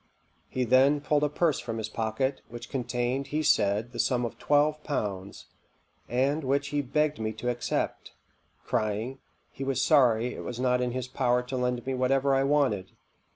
He then pulled a purse from his pocket, which contained, he said, the sum of twelve pounds, and which he begged me to accept, crying, he was sorry it was not in his power to lend me whatever I wanted.